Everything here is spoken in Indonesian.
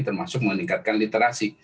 termasuk meningkatkan literasi